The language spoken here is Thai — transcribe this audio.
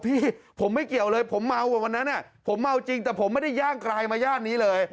พี่ผมไม่เกี่ยวเลยผมเมาวันนั้นผมเมาจริงแต่ผมไม่ได้ย่างไกลมาย่านนี้เลย